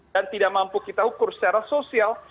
dan tidak mampu kita ukur secara sosial